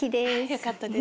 よかったです。